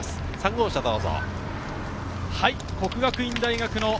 ３号車、どうぞ。